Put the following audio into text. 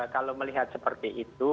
kalau melihat seperti itu